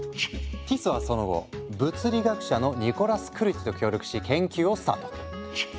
ティスはその後物理学者のニコラス・クルティと協力し研究をスタート。